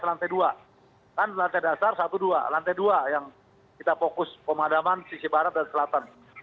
lantai dua kan lantai dasar satu dua lantai dua yang kita fokus pemadaman sisi barat dan selatan